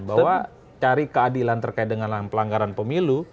bahwa cari keadilan terkait dengan pelanggaran pemilu